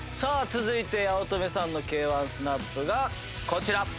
続いて八乙女さんのＫ−１スナップがこちら！